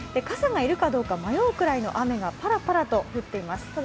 傘が要るかどうか迷うぐらいの雨がパラパラと降っています。